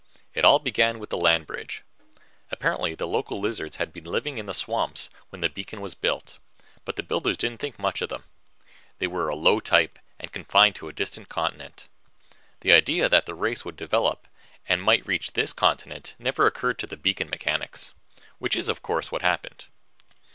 It all began with the land bridge. Apparently the local lizards had been living in the swamps when the beacon was built, but the builders didn't think much of them. They were a low type and confined to a distant continent. The idea that the race would develop and might reach this continent never occurred to the beacon mechanics. Which is, of course, what happened.